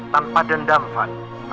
tanpa dendam van